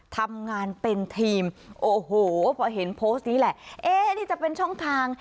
ทำงานเป็นทีมโอ้โหพอเห็นโพสต์นี้แหละเอ๊นี่จะเป็นช่องทาง